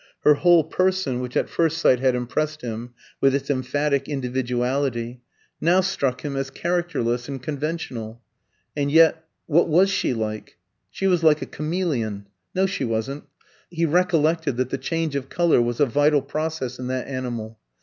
Her whole person, which at first sight had impressed him with its emphatic individuality, now struck him as characterless and conventional. And yet what was she like? She was like a chameleon. No, she wasn't; he recollected that the change of colour was a vital process in that animal.